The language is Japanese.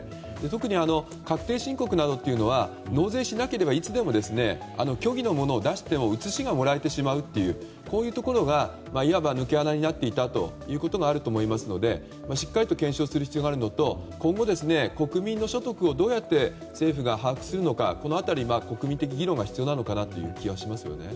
特に、確定申告などは納税しなければいつでも、虚偽のものを出しても写しがもらえてしまうというところがいわば抜け穴になっていたこともあると思いますのでしっかりと検証する必要があるのと今後、国民の所得をどうやって政府が把握するのかという辺りも国民的議論が必要なのかなという気はしますよね。